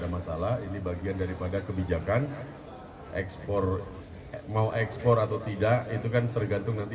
ada masalah ini bagian daripada kebijakan ekspor mau ekspor atau tidak itu kan tergantung nanti